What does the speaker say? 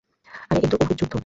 আর এই তো উহুদ যুদ্ধ।